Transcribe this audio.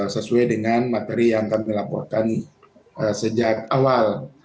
sesuai dengan materi yang kami laporkan sejak awal